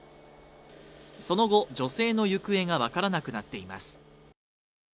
その後、女性の行方が分からなくなっています。